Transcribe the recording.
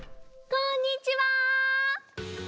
こんにちは！